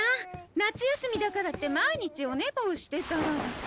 夏休みだからって毎日お寝坊してたら。